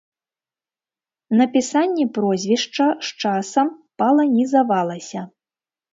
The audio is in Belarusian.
Напісанне прозвішча з часам паланізавалася.